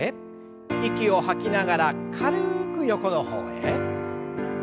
息を吐きながら軽く横の方へ。